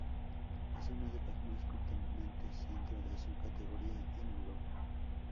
Es una de las más contaminantes dentro de su categoría en Europa.